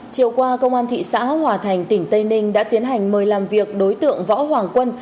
chiều qua công an thị xã hòa thành tỉnh tây ninh đã tiến hành mời làm việc đối tượng võ hoàng quân